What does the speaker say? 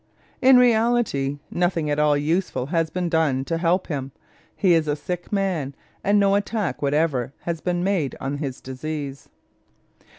In reality nothing at all useful has been done to help him. He is a sick man, and no attack whatever has been made on his disease.